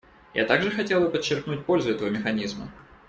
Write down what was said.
Я также хотел бы подчеркнуть пользу этого механизма.